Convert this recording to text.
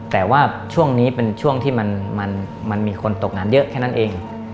แต่ว่าช่วงนี้เป็นช่วงที่มันมีคนตกงานเยอะแค่นั้นเอง